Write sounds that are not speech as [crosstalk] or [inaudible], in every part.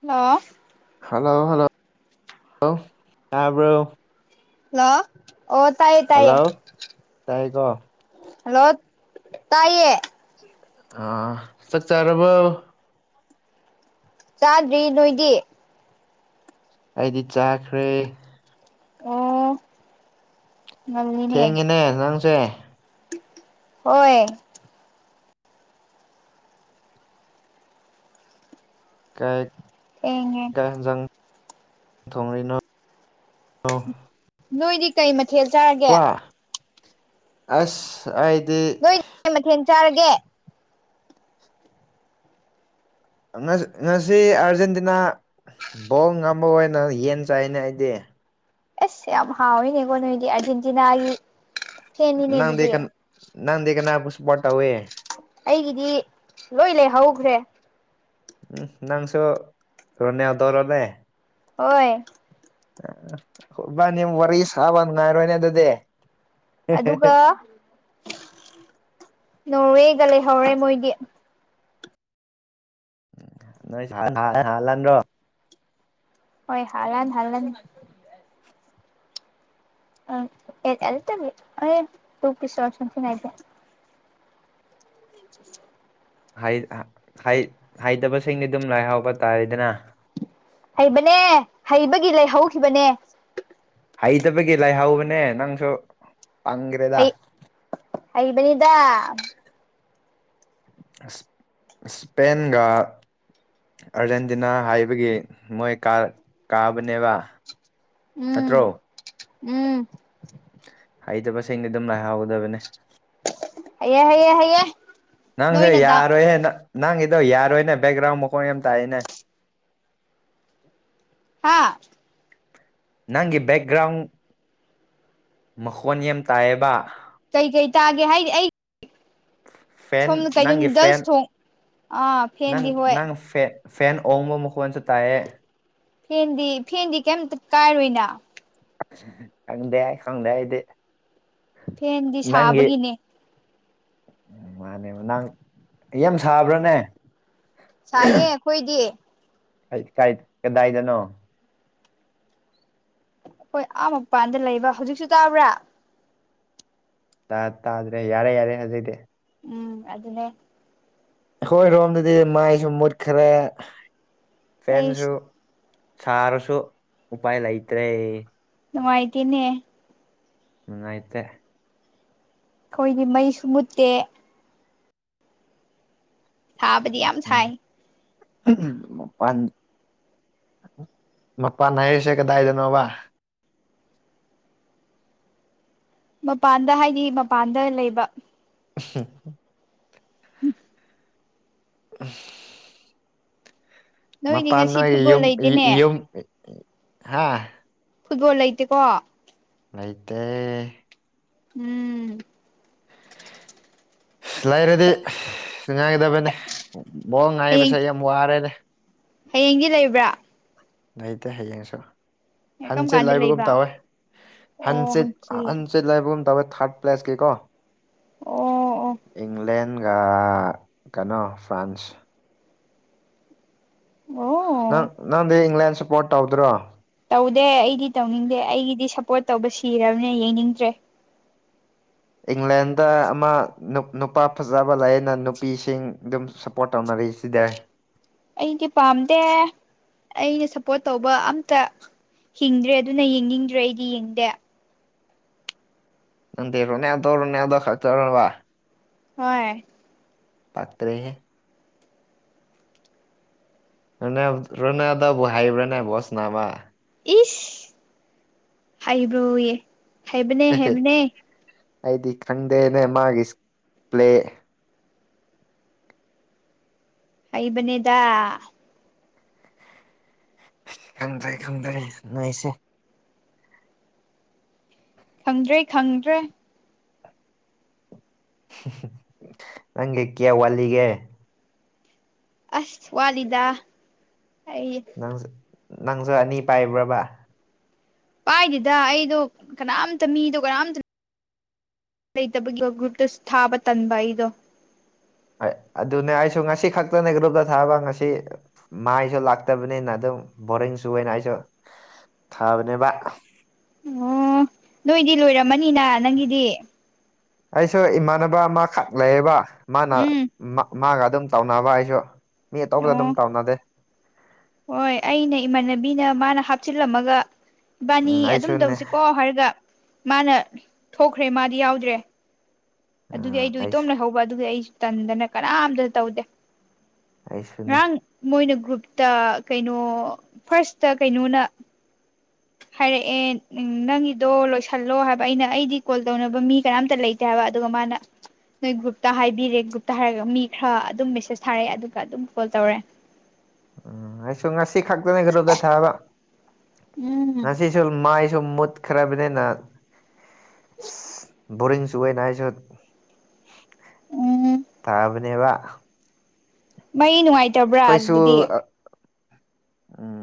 hello hello ꯍꯜꯂꯣꯂꯣ ꯌꯥꯕ꯭ꯔꯣ hello ꯑꯣ ꯇꯥꯏꯌꯦ ꯇꯥꯏꯌꯦ ꯍꯜꯂꯣ ꯇꯥꯏꯀꯣ ꯍꯜꯂꯣ ꯇꯥꯏꯌꯦ ꯑ ꯆꯥꯛ ꯆꯥꯔꯕ ꯆꯥꯗ꯭ꯔꯤ ꯅꯣꯏꯗꯤ ꯑꯩꯗꯤ ꯆꯥꯈ꯭ꯔꯦ ꯑꯣ ꯉꯜꯂꯤꯅꯦ ꯊꯦꯡꯉꯦꯅꯦ ꯅꯪꯁꯦ ꯑꯣꯏꯣꯏ ꯀꯥꯏ ꯑꯦ ꯍꯖꯥꯡ ꯊꯣꯡꯔꯤꯅꯣ ꯅꯣꯏꯗꯤ ꯀꯩ ꯃꯊꯦꯜ ꯆꯥꯔꯒꯦ ꯋꯥ ꯑꯁ ꯑꯥꯏꯗ ꯑꯩ ꯃꯊꯦꯟ ꯆꯥꯔꯒꯦ ꯉꯁꯤ ꯑꯥꯔꯖꯦꯟꯇꯤꯅꯥ ꯕꯣꯜ ꯉꯝꯕ ꯑꯣꯏꯅ ꯌꯦꯟ ꯆꯥꯏꯅꯦ ꯑꯩꯗꯤ ꯑꯦꯁ ꯌꯥꯝ ꯍꯥꯎꯋꯤꯅꯦꯀꯣ ꯅꯣꯏꯗꯤ ꯑꯥꯔꯖꯦꯟꯇꯤꯅꯥꯒꯤ ꯐꯦꯟꯅꯤꯅꯦ ꯑꯗꯨꯗꯤ ꯅꯪꯀ ꯅꯪꯀꯅ ꯄꯨꯁꯄꯣꯇꯋꯦ ꯑꯩꯒꯤꯗꯤ ꯂꯣꯏ ꯂꯩꯍꯧꯈ꯭ꯔꯦ ꯎꯝ ꯅꯪꯁꯨꯣ ꯔꯣꯅꯦ ꯌꯥꯗꯧꯔꯣꯂꯦ ꯍꯣꯏ ꯑ ꯍꯕꯅꯤ ꯋꯥꯔꯤ ꯁꯥꯕꯅ ꯉꯥꯏꯔꯣꯅꯦ ꯑꯗꯨꯗꯦ ꯑꯗꯨꯒ ꯅꯣꯔꯋꯦꯒ ꯂꯩꯍꯧꯔꯦ ꯃꯣꯏꯗꯤ ꯅꯣꯏ ꯍꯥ ꯂꯥꯟ ꯔꯣ ꯍꯣꯏ ꯍꯂꯥꯟ ꯍꯜꯅꯤ ꯑ ꯇꯔꯤ ꯇꯨ ꯄꯤꯁ ꯋꯥꯔꯁ ꯆꯦ [unintelligible] ꯍꯥꯏꯇꯕꯁꯤꯡꯗꯤ ꯑꯗꯨꯝ ꯂꯥꯏ ꯍꯥꯎꯕ ꯇꯥꯔꯦꯗꯅ ꯍꯩꯕꯅꯦ ꯍꯩꯕꯒꯤ ꯂꯩꯍꯧꯈꯤꯕꯅꯦ ꯍꯩꯇꯕꯒꯤ ꯂꯥꯏꯍꯧꯕꯅꯦ ꯅꯪꯁꯨ ꯄꯪꯈ꯭ꯔꯦꯗ ꯑꯩꯕꯅꯤꯗ ꯁꯄꯦꯟꯦꯟꯒ ꯑꯥꯔꯖꯦꯟꯇꯤꯅꯥ ꯍꯥꯏꯕꯒꯤ ꯃꯣꯏ ꯀꯥꯕꯅꯦꯕ ꯎꯝ ꯅꯠꯇ꯭ꯔꯣ ꯎꯝ ꯍꯩꯇꯕꯁꯤꯡꯗꯤ ꯑꯗꯨꯝ ꯂꯥꯏꯍꯥꯎꯒꯗꯕꯅꯦ ꯍꯌꯦ ꯍꯥꯏꯌꯦ ꯍꯥꯏꯌꯦꯦ ꯅꯪꯁꯦ ꯌꯥꯔꯣꯏꯍꯦ ꯅꯪꯒꯤꯗꯣ ꯌꯥꯔꯣꯏꯅꯦ ꯕꯦꯛꯒ꯭ꯔꯥꯎꯟ ꯃꯈꯀꯣꯟ ꯌꯥꯝ ꯇꯥꯛꯏꯅꯦ ꯎ ꯍꯥꯥ ꯅꯪꯒꯤ ꯕꯦꯛꯒ꯭ꯔꯥꯎꯟ ꯃꯈꯣꯟ ꯌꯥꯝ ꯇꯥꯏꯌꯦꯕ ꯀꯩ ꯀꯩ ꯇꯥꯒꯦ ꯍꯥꯏꯗꯤ ꯑꯩ ꯐꯦꯟ ꯁꯣꯝꯗ ꯀꯩꯅꯣ ꯅꯪꯒꯤ ꯐꯦꯟ ꯅꯨꯗꯜꯁ ꯊꯣꯡ ꯑꯥ ꯅꯪ ꯐꯦꯟꯗꯤ ꯍꯣꯏ ꯅꯪ ꯐꯦꯟ ꯑꯣꯡꯕ ꯃꯨꯈꯟꯁꯨ ꯇꯥꯏꯌꯦ ꯐꯦꯟꯗꯤ ꯐꯦꯟꯗꯤ ꯀꯩꯝꯇ ꯀꯥꯏꯔꯣꯏꯅ ꯈꯪꯗꯦ ꯈꯪꯗꯦ ꯏꯗꯦ ꯐꯦꯟꯗꯤ ꯁꯥꯕꯒꯤꯅꯦ ꯎ ꯃꯥꯅꯦ ꯅꯪ ꯌꯥꯝ ꯁꯥꯕ꯭ꯔꯥꯅꯦ ꯁꯥꯏꯌꯦꯦ ꯑꯩꯈꯣꯏꯗꯤꯌꯦ ꯀ ꯀꯔꯤ ꯀꯗꯥꯏꯗꯅꯣ ꯍꯈꯣꯏ ꯑꯥ ꯃꯄꯥꯟꯗ ꯂꯩꯕ ꯍꯧꯖꯤꯛꯁꯨ ꯇꯥꯕ꯭ꯔꯥ ꯇꯥ ꯇꯥꯗ꯭ꯔꯦ ꯌꯥꯔꯦ ꯌꯥꯔꯦ ꯍꯥꯏꯖꯩꯗꯦ ꯎꯝ ꯑꯗꯨ ꯑꯗꯨꯅꯦ ꯍꯣꯏ ꯔꯣꯝꯗꯗꯤ ꯃꯥꯏꯁꯨ ꯃꯨꯠꯈ꯭ꯔꯦ ꯐꯦꯟꯁꯨ ꯑꯩꯁ ꯁꯥꯔꯁꯨ ꯎꯄꯥꯏ ꯂꯩꯇ꯭ꯔꯦ ꯅꯨꯡꯃꯥꯏꯇꯅꯦ ꯅꯨꯡꯉꯥꯏꯇꯦ ꯑꯩꯈꯣꯏꯗꯤ ꯃꯩꯁꯨ ꯃꯨꯠꯇꯦ ꯊꯥꯕꯗꯤ ꯌꯥꯝ ꯁꯥꯏ ꯃꯄꯥꯟ ꯃꯄꯥꯟ ꯍꯥꯏꯔꯤꯁꯦ ꯀꯗꯥꯏꯗꯅꯣꯕ ꯃꯄꯥꯟꯗ ꯍꯥꯏꯗꯤ ꯃꯄꯥꯟꯗ ꯂꯩꯕ ꯎ ꯎꯝ ꯎꯝ ꯅꯣꯏꯗꯤ ꯉꯁꯤ ꯐꯨꯠꯕꯣꯜ ꯂꯩꯇꯦꯅꯦ ꯃꯄꯥꯥꯟꯅꯣꯌꯨꯝꯌꯨꯝ ꯍꯥ ꯐꯨꯠꯕꯣꯜ ꯂꯩꯇꯦꯀꯣ ꯑꯩꯇꯩ ꯎꯝ ꯑꯁ ꯂꯩꯥꯏꯔꯗꯤ ꯁ ꯉꯥꯏꯒꯗꯕꯅꯦ ꯕꯣꯡ ꯉꯥꯏꯕꯁꯦ ꯌꯥꯝ ꯋꯥꯔꯦꯅꯦ ꯍꯌꯦꯡꯒꯤ ꯂꯩꯕ꯭ꯔꯥ ꯅꯇ ꯍꯌꯦꯡꯁꯨ ꯀꯔꯝ ꯍꯟꯆꯤꯠ ꯀꯥꯟꯗ ꯍꯥꯏꯕꯒꯨꯝ ꯂꯩꯕ ꯇꯧꯋꯦ ꯑꯣ ꯍꯟꯆꯤꯠ ꯍꯪꯆꯤꯠ ꯍꯟꯆꯤꯠ ꯕꯨꯝ ꯇꯧꯋꯦ ꯊꯥꯔꯠ ꯄ꯭ꯂꯦꯁꯀꯤꯀꯣ ꯑꯣ ꯏꯪꯂꯦꯟ ꯏ ꯀꯩꯅꯣ ꯐ꯭ꯔꯥꯟꯁ ꯑꯣ ꯅꯪ ꯅꯪꯗꯤ ꯏꯪꯂꯦꯟ ꯁꯞꯄꯣꯔꯠ ꯇꯧꯗ꯭ꯔꯣ ꯇꯧꯗꯦ ꯑꯩꯗꯤ ꯇꯧꯅꯤꯡꯗꯦ ꯑꯩꯒꯤꯗꯤ ꯁꯞꯄꯣꯔꯠ ꯇꯧꯕ ꯁꯤꯔꯕꯅꯦ ꯌꯦꯡꯅꯤꯡꯗ꯭ꯔꯦ ꯏꯪꯂꯦꯟꯗ ꯑꯃ ꯅꯨꯄꯥ ꯐꯖꯕ ꯂꯩꯔꯅ ꯅꯨꯄꯤꯁꯤꯡ ꯑꯗꯨꯝ ꯄꯣꯠ ꯇꯧꯅꯔꯤꯛꯏꯁꯤꯗ ꯑꯩꯗꯤ ꯄꯥꯝꯗꯦ ꯑꯩꯅ ꯁꯞꯄꯣꯔꯠ ꯇꯧꯕ ꯑꯝꯇ ꯍꯤꯡꯗ꯭ꯔꯦ ꯑꯗꯨꯅ ꯌꯦꯡꯅꯤꯡꯗ꯭ꯔꯦ ꯑꯩꯗꯤ ꯌꯦꯡꯗꯦ ꯅꯦꯔꯣ ꯅ ꯇꯧꯔ ꯅ ꯈ ꯇꯧꯔ ꯋꯥ ꯍꯣꯏ ꯄꯇ꯭ꯔꯦ ꯑꯅ ꯔꯣꯅꯥꯗꯕꯨ ꯍꯥꯏꯕ꯭ꯔꯅꯥꯕꯣꯁ ꯅꯥꯕ ꯏꯁ ꯍꯥꯏꯕ꯭ꯔꯣꯌꯦ ꯍꯥꯏꯕꯅꯦ ꯍꯥꯏꯕꯅꯦ ꯑꯩꯗꯤ ꯈꯪꯗꯦꯅꯦ ꯃꯥꯒꯤ ꯏꯁꯄ꯭ꯂꯦ ꯑꯩꯕꯅꯦꯗ ꯈꯪꯗ꯭ꯔꯦ ꯈꯪꯗ꯭ꯔꯦ ꯅꯣꯏꯁꯦ ꯈꯪꯗ꯭ꯔꯦ ꯈꯪꯗ꯭ꯔꯦ ꯅꯪꯒꯤ ꯀꯦꯋꯥꯂꯤꯒ ꯑꯁ ꯋꯥꯂꯤꯗꯥ ꯑꯩ ꯅꯪ ꯅꯪꯁꯨ ꯑꯅꯤ ꯄꯥꯏꯕ꯭ꯔꯕ ꯄꯥꯏꯗꯦꯗ ꯑꯩꯗꯣ ꯀꯅꯥꯝꯇ ꯃꯤꯗꯣ ꯀꯅꯥꯝꯇ ꯂꯩꯇꯕꯒꯤ ꯒ꯭ꯔꯨꯞꯇ ꯊꯥꯕ ꯇꯟꯕ ꯑꯩꯗꯣ ꯑꯗꯨꯅꯦ ꯑꯩꯁꯨ ꯉꯁꯤ ꯈꯛꯇꯅꯦ ꯒ꯭ꯔꯨꯞꯇ ꯊꯥꯕ ꯉꯁꯤ ꯃꯥꯏꯁꯨ ꯂꯥꯛꯇꯕꯅꯤꯅ ꯑꯗꯨꯝ ꯕꯣꯔꯤꯡ ꯁꯨꯅ ꯑꯩꯁꯨ ꯊꯕꯅꯦꯕ ꯑꯣ ꯅꯣꯏꯗꯤ ꯂꯣꯏꯔꯝꯃꯅꯤꯅ ꯅꯪꯒꯤꯗꯤ ꯑꯩꯁꯨ ꯏꯃꯥꯟꯅꯕ ꯑꯃꯈꯛ ꯂꯩꯌꯦꯕ ꯃꯥꯅ ꯎꯝ ꯃꯥꯒ ꯑꯗꯨꯝ ꯇꯧꯅꯕ ꯑꯩꯁꯨ ꯃꯤ ꯑꯇꯧꯕꯗ ꯑꯗꯨꯝ ꯑꯣ ꯀꯥꯎꯅꯗꯦ ꯍꯣꯏ ꯑꯩꯅ ꯏꯃꯥꯟꯅꯕꯤꯅ ꯃꯥꯅ ꯍꯥꯞꯆꯤꯜꯂꯝꯃꯒ ꯕꯥꯅꯤ ꯎꯝ ꯑꯗꯨꯝ ꯑꯩꯁꯨꯅꯦ ꯇꯧꯁꯤꯀꯣ ꯍꯥꯏꯔꯒ ꯃꯥꯅ ꯊꯣꯛꯈ꯭ꯔꯦ ꯃꯥꯗꯤ ꯌꯥꯎꯗ꯭ꯔꯦ ꯑꯗꯨꯒꯤ ꯎꯝ ꯑꯩꯗꯣ ꯏꯇꯣꯝ ꯑꯩꯁꯨ ꯂꯩꯍꯧꯕ ꯑꯗꯨꯒꯤ ꯑꯩꯁꯨ ꯇꯟꯗꯅ ꯀꯅꯥꯝꯇꯅ ꯇꯧꯗꯦ ꯑꯩꯁꯨꯅꯦ ꯉꯔꯥꯡ ꯃꯣꯏꯅ ꯒ꯭ꯔꯨꯞꯇ ꯀꯩꯅꯣ ꯐꯥꯔꯁꯇ ꯀꯩꯅꯣꯅ ꯍꯥꯏꯔꯛꯑꯦ ꯎ ꯅꯪꯒꯤꯗꯣ ꯂꯣꯏꯁꯤꯜꯂꯣ ꯍꯥꯏꯕ ꯑꯩꯅ ꯑꯩꯗꯤ ꯀꯣꯜ ꯇꯧꯅꯕ ꯃꯤ ꯀꯅꯥꯝꯇ ꯂꯩꯒ ꯇꯕ ꯑꯗꯨꯒ ꯃꯥꯅ ꯅꯣꯏ ꯒ꯭ꯔꯨꯞꯇ ꯍꯥꯏꯕꯤꯔꯦ ꯒ꯭ꯔꯨꯞꯇ ꯍꯥꯏꯔꯒ ꯃꯤ ꯈꯔ ꯑꯗꯨꯝ ꯃꯦꯁꯦꯁ ꯊꯥꯔꯛꯑꯦ ꯑꯗꯨꯒ ꯑꯗꯨꯝ ꯀꯣꯜ ꯇꯧꯔꯦ ꯎꯝ ꯉꯁꯨ ꯉꯁꯤ ꯈꯛꯇꯅꯦ ꯈ꯭ꯔꯨꯇ ꯊꯥꯕ ꯎꯝ ꯉꯁꯤ ꯁꯨ ꯃꯥꯏꯁꯨ ꯃꯨꯠ ꯈꯔꯕꯅꯤꯅ ꯁꯤ ꯕꯣꯔꯤꯡ ꯆꯒꯥꯏꯅ [unintelligible] ꯆ ꯎꯝ ꯇꯥꯕꯅꯦꯕ ꯃꯩ ꯅꯨꯡꯉꯥꯏꯇꯕ꯭ꯔꯥ ꯑꯩꯈꯣꯏꯁꯨ ꯑꯗꯨꯗꯤ ꯎꯝ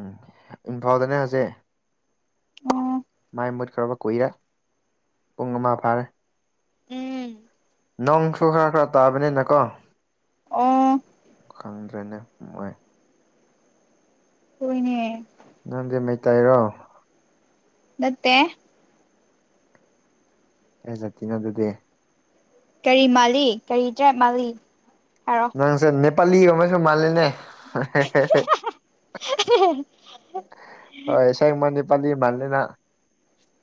ꯏꯝꯐꯥꯜꯗꯅꯦ ꯍꯧꯁꯛ ꯑꯣ ꯃꯥꯏ ꯃꯨꯠꯈ꯭ꯔꯕ ꯀꯨꯏꯔꯦ ꯄꯨꯡ ꯑꯃ ꯐꯥꯔꯦ ꯎꯝ ꯅꯣꯡꯁꯨ ꯈꯔ ꯈꯔ ꯇꯥꯕꯅꯤꯅꯀꯣ ꯑꯣ ꯈꯪꯗ꯭ꯔꯦꯅꯦ ꯃꫭꯏ ꯍꯣꯏꯅꯦ ꯅꯪꯗꯤ ꯃꯩꯇꯩꯔꯣ ꯅꯠꯇꯦ ꯀꯩꯖꯇꯤꯅꫭ ꯑꯗꯨꯗꯤ ꯀꯔꯤ ꯃꯥꯜꯂꯤ ꯀꯔꯤ‌ ꯇꯔꯥꯞ ꯃꯥꯜꯂꯤ‌ꯍꯥꯏꯔ ꯅꯪꯁꯦ ꯅꯦꯄꯥꯂꯤ ꯒꯨꯝꯕꯁꯨ ꯃꯥꯜꯂꯤꯅꯦ ꯑꯁ‌ꯦꯕ ꯅ‌ꯦꯄꯂꯤ ꯃꯥꯟꯂꯤꯅ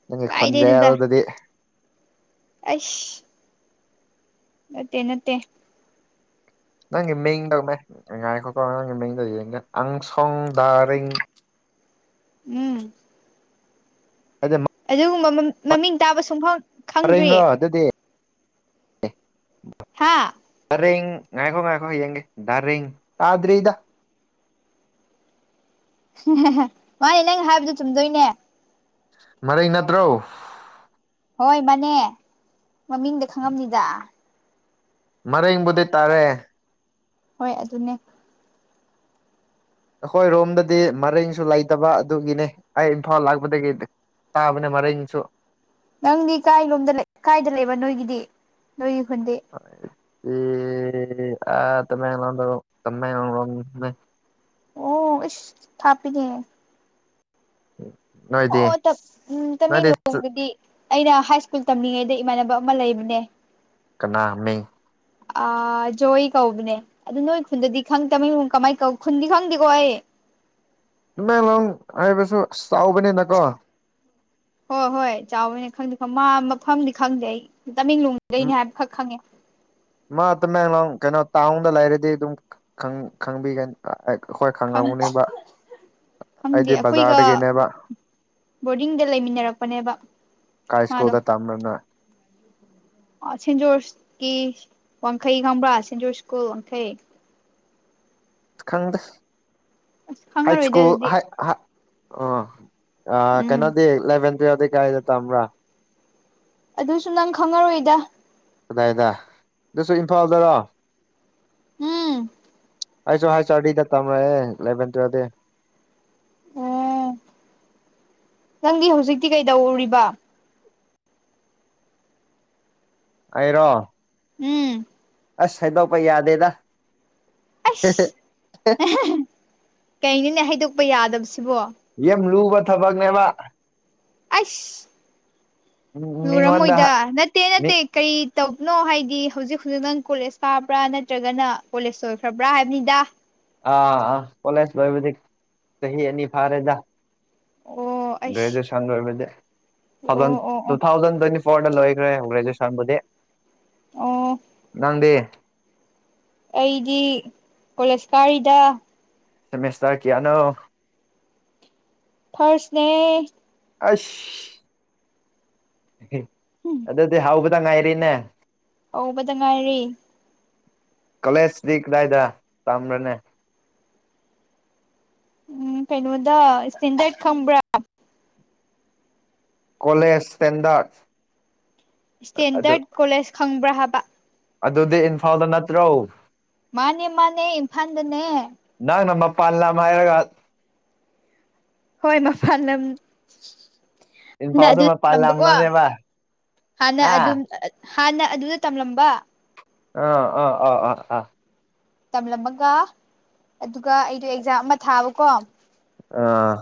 ꯅꯪꯒꯤ ꯈꫭꯜꯖ‌‌ꯦꯜꯗꯨꯗꯤ ꯑ‌ꯥꯏꯁ ꯅꯠꯇꯦ ꯅꯠꯇꯦ ꯅꯪꯒꯤ ꯃꯤꯡ ꯇꯧꯃꯦ [unintelligible] ꯉꯥꯏꯈꯣꯀꫭ ꯅꯪꯒꯤ ꯃꯤꯡꯗꯧ ꯌꯦꯡꯗ ꯑꯪꯁꯣꯡ ꯗꯥꯔꯤꯡ ꯎꯝ ꯑ [unintelligible] ꯑꯗꯨꯒꯨꯝꯕ ꯃꯃꯤꯡ ꯇꯥꯕ ꯁꯨꯡꯐꯝ ꯈꯪꯗ꯭ꯔꯤ ꯀꯔꯤꯅꫭ ꯑꯗꯨꯗꯤ ꯍꯥꯥ ꯗꯔꯤꯡ ꯉꯥꯏꯈꯣ ꯉꯥꯏꯈꯣ ꯌꯦꯡꯒ‌ꯦ ꯗꯔꯤꯡ ꯇꯥꯗ꯭ꯔꯤꯗ ꯃꯥꯅꯦ ꯅꯪ ꯍꯥꯏꯕꯗꯨ ꯆꯨꯝꯗꯣꯏꯅꯦ ꯃꯔꯤꯡ ꯅꯠꯇ꯭ꯔꯣ ꯍꯣꯏ ꯃꯥꯅꯦ ꯃꯃꯤꯡꯗ ꯈꯪꯉꯝꯅꯤꯗ ꯃꯔꯤꯡꯕꯨꯗꯤ ꯇꯥꯔꯦ ꯍꯣꯏ ꯑꯗꯨꯅꯦ ꯑꯩꯈꯣꯏ ꯔꯣꯝꯗꯗꯤ ꯃꯔꯦꯡꯁꯨ ꯂꯩꯇꯕ ꯑꯗꯨꯒꯤꯅꯦ ꯑꯩ ꯏꯝꯐꯥꯜ ꯂꯥꯛꯄꯗꯒꯤꯗꯤ ꯇꯥꯕꯅꯦ ꯃꯔꯦꯡꯁꯨ ꯅꯪꯗꯤ ꯀꯥꯏ ꯂꯣꯝꯗ ꯂꯩ ꯀꯥꯏꯗ ꯂꯩꯕ ꯅꯣꯏꯒꯤꯗꯤ ꯅꯣꯏꯒꯤ ꯈꯨꯟꯗꯤ ꯑꯇ ꯑ ꯇ [unintelligible] ꯃꯦꯣ ꯀꯃꯦꯅ ꯑꯣ ꯏꯁ ꯊꯥꯞꯄꯤꯅ‌ꯦ ꯎꯝ [unintelligible] ꯑꯣ ꯆꯠ ꯇꯃꯦꯡꯂꯣꯡꯗꯗꯤ ꯑꯩꯅ ꯍꯥꯏ ꯁ꯭ꯀꯨꯜ ꯇꯝꯂꯤꯉꯩꯗ ꯏꯃꯥꯟꯅꯕ ꯑꯃ ꯂꯩꯕꯅꯦ ꯀꯅꯥꯃꯤꯡ ꯑ ꯖꯣꯏ ꯀꯧꯕꯅꯦ ꯑꯗꯨ ꯅꯣꯏ ꯈꯨꯟꯗꯗꯤ ꯈꯪ ꯇꯃ‌ꯦꯡ ꯀꯃꯥꯏ ꯀꯧ ꯈꯨꯟꯗꯤ ꯈꯪꯗꯦꯀꯣ ꯑꯩ ꯇꯃꯦꯡꯂꯣꯡ ꯍꯥꯏꯕꯁꯨ ꯑꯁ ꯆꯥꯎꯕꯅꯤꯅꯀꯣ ꯍꯣꯏ ꯍꯣꯏ ꯆꯥꯎꯕꯅꯦ ꯈꯪꯗꯦ ꯈꯪ ꯃꯥ ꯃꯐꯝꯗꯤ ꯈꯪꯗꯦ ꯑꯩ ꯇꯃꯦꯡꯂꯣꯡꯗꯩꯅꯤ ꯍꯥꯏꯕꯈꯛ ꯈꯪꯉꯦ ꯃꯥ ꯇꯃꯦꯡꯂꯣꯡ ꯀꯩꯅꯣ ꯇꯥꯎꯟꯗ ꯂꯩꯔꯗꯤ ꯑꯗꯨꯝ ꯈꯪꯕꯤꯒꯅꯤ ꯑꯩꯈꯣꯏ ꯈꯪ ꯈꯪꯉꯝꯈꯅꯤꯕ ꯈꯪꯗꯦ ꯑꯩꯗꯤ ꯑꯩꯈꯣꯏꯒ ꯕꯖꯥꯔꯗꯒꯤꯅꯦꯕ ꯕꯣꯔꯗꯤꯡꯗ ꯂꯩꯃꯤꯟꯅꯔꯛꯄꯅꯦꯕ ꯀꯩ ꯃꯥꯗꯣ ꯏꯁꯀꯨꯜꯗ ꯇꯝꯕꯔꯥ ꯅꫭꯏ ꯑꯥ ꯁꯦꯟ ꯖꯣꯔꯁꯀꯤ ꯋꯥꯡꯈꯩ ꯈꯪꯕ꯭ꯔꯥ ꯁꯦꯟ ꯖꯣꯔꯁ ꯁ꯭ꯀꯨꯜ ꯋꯥꯡꯈꯩ ꯈꯪꯗ‌ꯦ ꯑꯁ ꯍꯥꯏ ꯈꯪꯉꯔꯣꯏꯗ ꯏꯁꯀꯨꯜ ꯑꯗꯨꯗꯤ ꯍꯥꯠ ꯍꯥ ꯑꯣ ꯑꯥ ꯎꯝ ꯀꯩꯅꯣꯗꯤ ꯏꯂꯦꯚꯦꯟ ꯇꯨꯋꯞꯇꯤ ꯌꯥꯗ ꯀꯥꯏꯗ ꯇꯝꯕ꯭ꯔꯥ ꯑꯗꯨꯁꯨ ꯅꯪ ꯈꯪꯉꯔꯣꯏꯗ ꯀꯗꯥꯏꯗ ꯑꯗꯨꯁꯨ ꯏꯝꯐꯥꯜꯗꯔꯣ ꯎꯝ ꯑꯩꯁꯨ ꯍꯥꯏꯁ ꯑꯥꯔ ꯗꯤꯗ ꯇꯝꯃꯦ ꯂꯦꯚꯦꯟ ꯇꯨꯋꯦꯜꯗꯤ ꯑꯣ ꯅꯪꯗꯤ ꯍꯧꯖꯤꯛꯇꯤ ꯀꯩꯗꯧꯔꯤꯕ ꯑꯩꯔꯣ ꯎꯝ ꯑꯁ ꯍꯥꯏꯗꯣꯛꯄ ꯌꯥꯗꯦꯗ ꯑꯁ ꯀꯩꯅꯣꯅꯦ ꯍꯥꯏꯗꯣꯛꯄ ꯌꯥꯗꯕꯁꯤꯕꯣ ꯌꯥꯝ ꯂꯨꯕ ꯊꯕꯛꯅꯦꯕ ꯑꯁ ꯂꯨꯔꯝꯃꯣꯏꯗ ꯃꯤꯉꯣꯟꯗ ꯅꯠ ꯅꯠꯇꯦ ꯃꯤ ꯅꯠꯇꯦ ꯀꯔꯤ ꯇꯧꯕꯅꯣ ꯍꯥꯏꯗꯤ ꯍꯧꯖꯤꯛ ꯍꯧꯖꯤꯛ ꯅꯪ ꯀꯣꯂꯦꯖ ꯀꯥꯕ꯭ꯔꯥ ꯅꯠꯇ꯭ꯔꯒꯅ ꯀꯣꯂꯦꯖ ꯂꯣꯏꯈ꯭ꯔꯕ꯭ꯔꯥ ꯍꯥꯏꯕꯅꯤꯗ ꯑꯥ ꯑꯥ ꯀꯣꯂꯦꯖ ꯂꯣꯏꯕꯗꯤ ꯆꯍꯤ ꯑꯅꯤ ꯐꯥꯔꯦꯗ ꯑꯣ ꯑꯩꯁ ꯒ꯭ꯔꯦꯖꯨꯌꯦꯁꯟ ꯂꯣꯏꯕꯗꯤ ꯑꯣ ꯑꯣ ꯇꯨ ꯑꯣ ꯊꯥꯎꯖꯟ ꯇ꯭ꯋꯦꯟꯇꯤ ꯐꯣꯔꯗ ꯂꯣꯏꯒ꯭ꯔꯦ ꯒ꯭ꯔꯦꯖꯨꯌꯦꯁꯟꯕꯨꯗꯤ ꯑꯣ ꯅꯪꯗꯤ ꯑꯩꯗꯤ ꯀꯣꯂꯦꯖ ꯀꯥꯔꯤꯗ ꯁꯦꯃꯤꯁꯇꯔ ꯀꯌꯥꯅꯣ ꯐꯥꯔ꯭ꯁ ꯅꯦ ꯑꯁ ꯑꯗꯨꯗꯗꯤ ꯍꯥꯎꯕꯗ ꯉꯥꯏꯔꯤꯅꯦ ꯍꯧꯕꯗ ꯉꯥꯏꯔꯤ ꯀꯣꯂꯦꯖꯗꯤ ꯀꯗꯥꯏꯗ ꯇꯝꯕ꯭ꯔꯅꯦ ꯎꯝ ꯀꯩꯅꯣꯗ ꯏꯁꯇꯦꯟꯗ꯭ꯔꯠ ꯈꯝꯕ꯭ꯔꯥ ꯀꯣꯂꯦꯖ ꯁꯇꯦꯟꯗꯔ꯭ꯠ ꯏꯁꯇꯦꯟꯗꯔ꯭ꯠ ꯀꯣꯂꯦꯖ ꯈꯪꯕ꯭ꯔꯥ ꯍꯥꯏꯕ ꯑꯗꯨꯗꯤ ꯏꯝꯐꯥꯜꯗ ꯅꯠꯇ꯭ꯔꯣ ꯃꯥꯅꯦ ꯃꯥꯅꯦ ꯏꯝꯐꯥꯜꯗꯅꯦ ꯅꯪꯅ ꯃꯄꯥꯟ ꯂꯝ ꯍꯥꯏꯔꯒ ꯍꯣꯏ ꯃꯄꯥꯟ ꯂꯝ ꯅꯥ ꯏꯝꯐꯥꯜꯗ ꯑꯗꯨ ꯃꯄꯥꯟ ꯇꯝꯕꯀꯣ ꯂꯝꯂꯅꯦꯕ ꯍꯥꯟꯅ ꯍꯥ ꯑꯗꯨꯝ ꯍꯥꯟꯅ ꯑꯗꯨꯗ ꯇꯝꯂꯝꯕ ꯑꯥ ꯑ ꯑꯥ ꯑꯥ ꯑꯥ ꯇꯝꯂꯝꯃꯒ ꯑꯗꯨꯒ ꯑꯩꯗꯣ ꯑꯦꯛꯖꯥꯝ ꯑꯃ ꯊꯥꯕꯀꯣ ꯑꯥ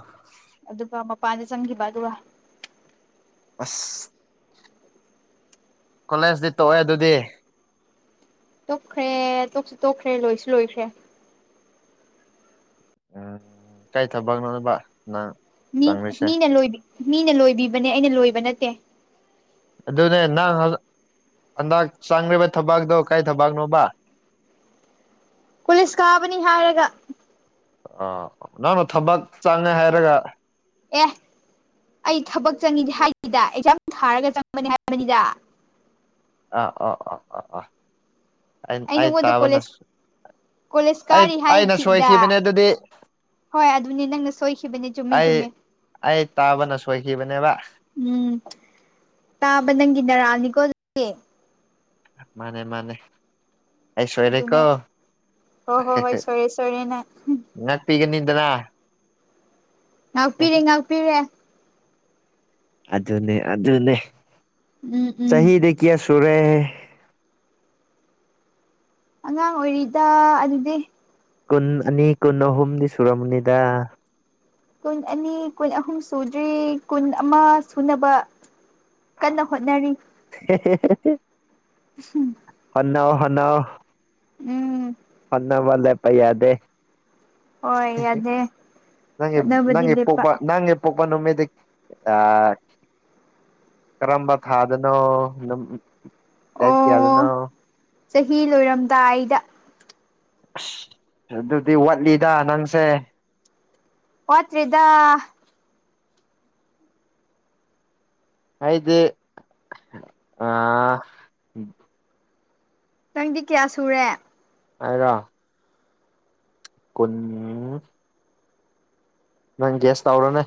ꯑꯗꯨꯒ ꯃꯄꯥꯟꯗ ꯆꯪꯈꯤꯕ ꯑꯗꯨꯒ ꯑꯁ ꯀꯣꯂꯦꯖꯇꯤ ꯇꯣꯛꯑꯦ ꯑꯗꯨꯗꯤ ꯇꯣꯛꯈ꯭ꯔꯦ ꯇꯣꯛꯁꯨ ꯇꯣꯛꯈ꯭ꯔꯦ ꯂꯣꯏꯁꯨ ꯂꯣꯏꯈ꯭ꯔꯦ ꯎꯝ ꯀꯥꯏ ꯊꯕꯛꯅꯣꯕ ꯅꯪ ꯃꯤ ꯆꯪꯂꯤꯁꯦ ꯃꯤꯅ ꯂꯣꯏ ꯃꯤꯅ ꯂꯣꯏꯕꯤꯕꯅꯦ ꯑꯩꯅ ꯂꯣꯏꯕ ꯅꯠꯇꯦ ꯑꯗꯨꯅꯦ ꯅꯪ ꯍꯟꯗꯛ ꯆꯪ꯭ꯒꯔꯤꯕ ꯊꯕꯥꯛꯇꯣ ꯀꯩ ꯊꯕꯛꯅꯣꯕ ꯀꯣꯂꯦꯁ ꯀꯥꯕꯅꯤ ꯍꯥꯏꯔꯒ ꯑꯥ ꯅꯪꯅ ꯊꯕꯛ ꯆꯪꯉꯦ ꯍꯥꯏꯔꯒ ꯑꯦ ꯑꯩ ꯊꯕꯛ ꯆꯪꯉꯤ ꯍꯥꯏꯗꯦꯗ ꯑꯦꯛꯖꯥꯝ ꯊꯥꯔꯒ ꯆꯪꯕꯅꯤ ꯍꯥꯏꯕꯅꯤꯗ ꯑꯥ ꯑꯥ ꯑꯥ ꯑꯥ ꯑꯥ ꯑꯩ ꯅꯉꯣꯟꯗ ꯇꯥꯕꯅ ꯀꯣꯂꯦꯖ ꯁꯨ ꯀꯣꯂꯦꯖ ꯑꯩ ꯀꯥꯔꯤ ꯑꯩꯅ ꯍꯥꯏꯈꯤꯗ ꯁꯣꯏꯈꯤꯕꯅꯦ ꯑꯗꯨꯗꯤ ꯍꯣꯏ ꯑꯗꯨꯅꯤ ꯅꯪꯅ ꯁꯣꯏꯈꯤꯕꯅꯤ ꯆꯨꯝꯃꯤ ꯑꯩ ꯆꯨꯝꯃꯤ ꯑꯩ ꯇꯥꯕꯅ ꯁꯣꯏꯈꯤꯕꯅꯦꯕ ꯎꯝ ꯇꯥꯕ ꯅꯪꯒꯤ ꯅꯔꯜꯅꯤꯀꯣ ꯑꯗꯨꯗꯤ ꯃꯥꯅꯦ ꯃꯥꯅꯦ ꯑꯩ ꯁꯣꯏꯔꯦꯀꯣ ꯑꯗꯨꯅꯦ ꯍꯣꯏ ꯍꯣꯏ ꯍꯣꯏ ꯁꯔꯦ ꯁꯣꯔꯦꯅ ꯉꯥꯛꯄꯤꯤꯒꯅꯤꯗꯅ ꯉꯥꯛꯄꯤꯔꯦ ꯉꯥꯛꯄꯤꯔꯦ ꯑꯗꯨ ꯑꯗꯨꯅꯦ ꯑꯗꯨ ꯑꯗꯨꯅꯦ ꯎꯝ ꯎꯝ ꯆꯍꯤꯍꯤꯗ ꯀꯌꯥ ꯁꯨꯔꯦꯦ ꯑꯉꯥꯡ ꯑꯣꯏꯔꯤꯗ ꯑꯗꯨꯗꯤ ꯀꯨꯟ ꯑꯅꯤ ꯀꯨꯟ ꯑꯍꯨꯝꯗꯤ ꯁꯨꯔꯝꯔꯕꯅꯤꯗ ꯀꯨꯟ ꯑꯅꯤ ꯀꯨꯟ ꯑꯍꯨꯝ ꯁꯨꯗ꯭ꯔꯤ ꯀꯨꯟ ꯑꯃ ꯁꯨꯅꯕ ꯀꯟꯅ ꯍꯣꯠꯅꯔꯤ [unintelligible] ꯎꯝ ꯍꯅ ꯍꯅ ꯎꯝ ꯐꯟꯅꯕꯂꯦ ꯄꯌꯥꯗꯦ ꯍꯣꯏ ꯌꯥꯗꯦ ꯍꯣꯠꯅꯕꯗꯤ ꯂꯦꯞꯄ [unintelligible] ꯄꯄ ꯅꯨꯃꯦꯗꯤ ꯑ ꯀꯔꯝꯕ ꯊꯥꯗꯅꯣ ꯗꯦ ꯀꯌꯥꯗꯅꯣ ꯑꯣ ꯆꯍꯤ ꯂꯣꯏꯔꯝꯗꯥꯏꯗ ꯑꯁ ꯑꯗꯨꯗꯤ ꯋꯥꯠꯂꯤꯗ ꯅꯪꯁꯦ ꯄꯠꯇꯔꯤꯗ ꯍꯥꯏꯗꯤ ꯑ ꯅꯪꯗꯤ ꯀꯌꯥ ꯁꯨꯔꯦ ꯍꯥꯏꯔ ꯀꯨꯟ ꯅꯪ ꯒꯁ ꯇꯥꯎ꯭ꯔꯣꯅꯦ